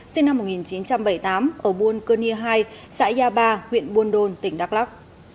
sinh năm một nghìn chín trăm bảy mươi tám ở buôn cơ nia hai xã yà ba huyện buôn đôn tỉnh đắk lắc